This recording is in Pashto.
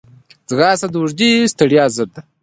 ځغاسته د اوږدې ستړیا ضد ده